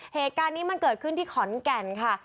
เหตุการณ์นี้มันเกิดขึ้นที่ขอนแก่นค่ะ